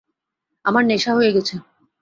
আমার নেশা হয়ে গেছে।